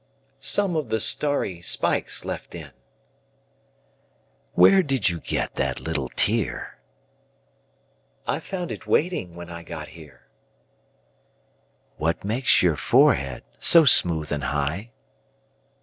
Some of the starry spikes left in. Where did you get that little tear?I found it waiting when I got here. What makes your forehead so smooth and high?